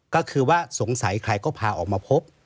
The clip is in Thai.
ก็คือว่าสงสัยใครก็พาออกมาพบ